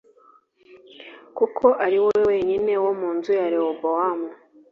kuko ari we wenyine wo mu nzu ya Yerobowamu